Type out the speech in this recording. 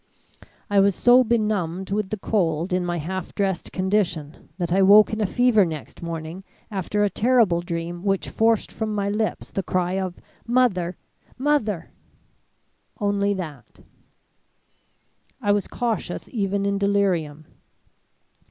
I was so benumbed with the cold in my half dressed condition, that I woke in a fever next morning after a terrible dream which forced from my lips the cry of 'Mother! Mother!' only that. "I was cautious even in delirium.